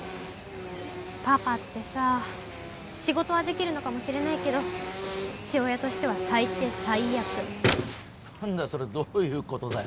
パパってさ仕事はできるのかもしれないけど父親としては最低最悪何だよそれどういうことだよ